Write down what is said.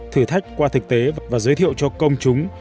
thử thách qua thực tế và giới thiệu cho công chúng